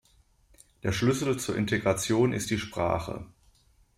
Der Schlüssel zur Integration ist die Sprache.